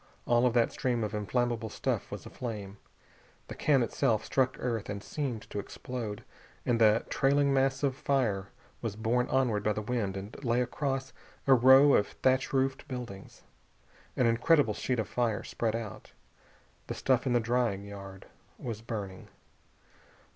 All that stream of inflammable stuff was aflame. The can itself struck earth and seemed to explode, and the trailing mass of fire was borne onward by the wind and lay across a row of thatch roofed buildings. An incredible sheet of fire spread out. The stuff in the drying yard was burning.